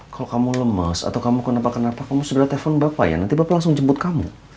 kalau kamu lemes atau kamu kenapa kenapa kamu sudah telepon bapak ya nanti bapak langsung jemput kamu